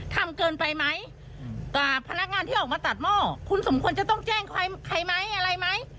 ทำเกินไปไหมกับพนักงานที่ออกมาตัดหม้อคุณสมควรจะต้องแจ้งใครใครไหมอะไรไหม